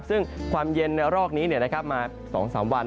ซึ่งความเย็นในรอกนี้มา๒๓วัน